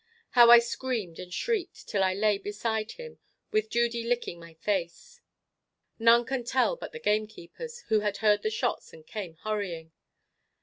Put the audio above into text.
How I screamed and shrieked, till I lay beside him, with Judy licking my face, none can tell but the gamekeepers, who had heard the shots, and came hurrying.